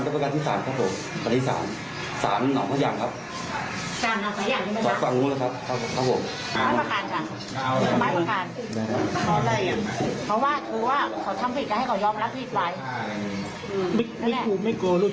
สบังหลวงครับครับผม